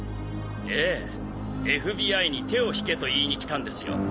ええＦＢＩに手を引けと言いに来たんですよ。